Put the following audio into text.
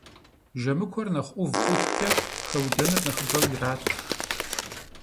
Жэмыкуэр нэхъ ӏув хъухукӏэ хэудэныр нэхъыбэу ират.